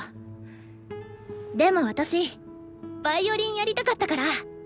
でも私ヴァイオリンやりたかったから。